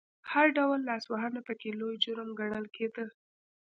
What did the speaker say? هر ډول لاسوهنه پکې لوی جرم ګڼل کېده.